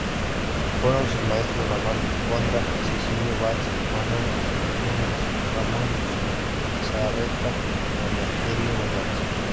Fueron sus maestros, Manuel Gondra, Cecilio Báez, Manuel Domínguez, Ramón Zubizarreta y Emeterio González.